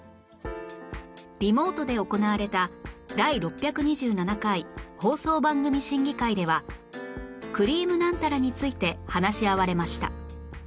リモートで行われた第６２７回放送番組審議会では『くりぃむナンタラ』について話し合われました